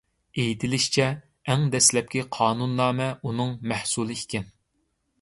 ئېيتىلىشىچە، ئەڭ دەسلەپكى قانۇننامە ئۇنىڭ مەھسۇلى ئىكەن.